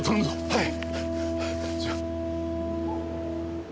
はい！